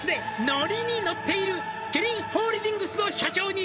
「乗りに乗っているキリンホールディングスの社長に」